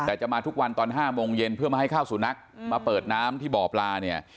แต่จะมาทุกวันตอน๕โมงเย็นเพื่อมาให้ข้าวสุนัขมาเปิดน้ำที่บ่อปลาเนี่ย